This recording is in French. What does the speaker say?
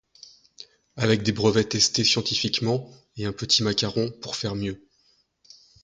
avec des brevets testés scientifiquement et un petit macaron pour faire mieux.